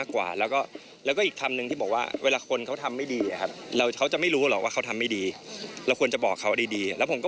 เราก็รู้อยู่แก่ใจเราก็มีความสบายใจในตัวเราเองนั่นเองค่ะ